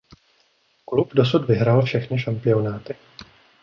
Klub dosud vyhrál všechny šampionáty.